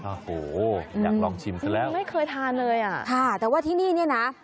โอ้โหอยากลองชิมซะแล้วไม่เคยทานเลยอ่ะค่ะแต่ว่าที่นี่เนี่ยนะ